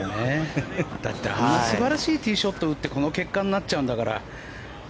だってあの素晴らしいティーショットを打ってこの結果になっちゃうんだから。